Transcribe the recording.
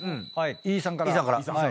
飯さんから。